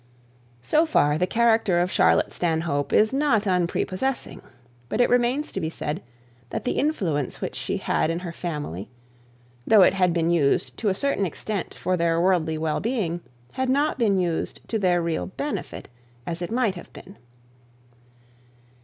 So far, the character of Charlotte Stanhope is not unprepossessing. But it remains to be said, that the influence which she had in her family, though it had been used to a certain extent for their worldly well being, had not been used to their real benefit, as it might have been.